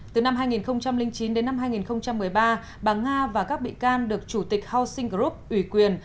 từ năm hai nghìn chín đến năm hai nghìn một mươi ba bà nga và các bị can được chủ tịch housing group ủy quyền